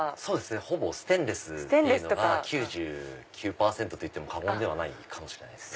ほぼステンレスっていうのが９９％と言っても過言ではないかもしれないですね。